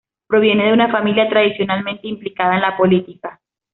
Proviene de una familia tradicionalmente implicada en la política.